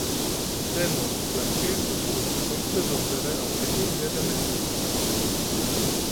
Dennoch bleibt viel zu tun, insbesondere auf der Ebene der Mitgliedstaaten.